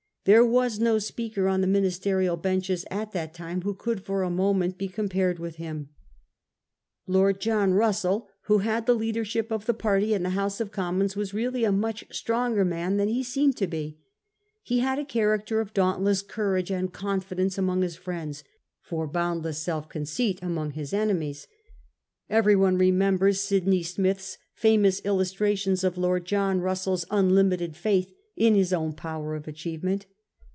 There was no speaker on the ministerial benches at that time who could for a moment be compared with him. 42 A HISTORY OR OUR OWN TIMES. ck.h. Lord John Russell, ■who had the leadership of the party in the House of Commons, was really a much stronger man than he seemed to be. He had a cha racter for dauntless courage and confidence among Ms friends ; for boundless self conceit among Ms ene mies. Everyone remembers Sydney Smith's famous illustrations of Lord John Russell's unlimited faith in Ms own power of acMevement.